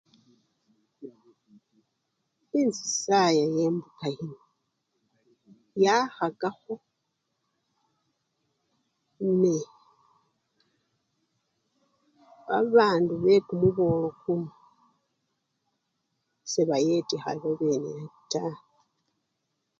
Inchisaye yembuka yino yakhakakho ne! babandu bekumubolo kuno sebayetekha babene taa.